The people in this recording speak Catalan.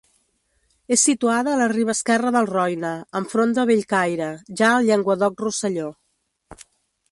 És situada a la riba esquerra del Roine, enfront de Bellcaire, ja al Llenguadoc-Rosselló.